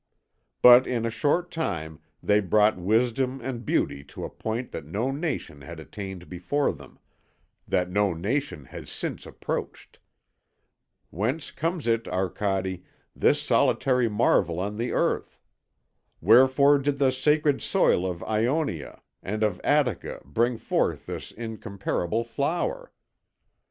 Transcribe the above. But in a short time they brought wisdom and beauty to a point that no nation had attained before them, that no nation has since approached. Whence comes it, Arcade, this solitary marvel on the earth? Wherefore did the sacred soil of Ionia and of Attica bring forth this incomparable flower?